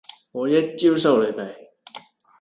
我一招收你皮